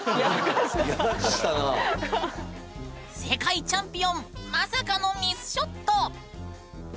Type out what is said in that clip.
世界チャンピオンまさかのミスショット。